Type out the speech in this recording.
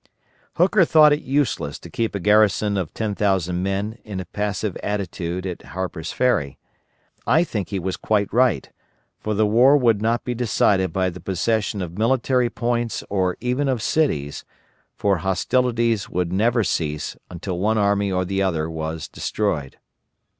Hooker thought it useless to keep a garrison of 10,000 men in a passive attitude at Harper's Ferry. I think he was quite right, for the war could not be decided by the possession of military posts or even of cities, for hostilities would never cease until one army or the other was destroyed.